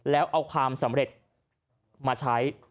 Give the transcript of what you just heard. แล้วเอาความสำเร็จมาใช้